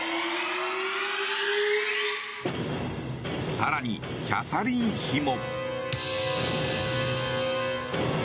更に、キャサリン妃も。